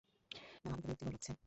না, আলোটা বিরক্তিকর লাগছে।